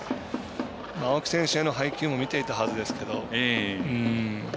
青木選手への配球も見ていたはずですけど。